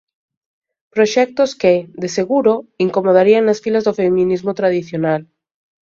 Proxectos que, de seguro, incomodarían nas filas do feminismo tradicional.